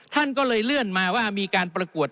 ท่านก็เลยเลื่อนมาว่ามีการประกวด